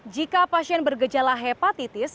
jika pasien bergejala hepatitis